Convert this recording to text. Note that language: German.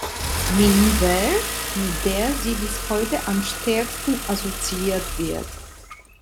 Miniver", mit der sie bis heute am stärksten assoziiert wird.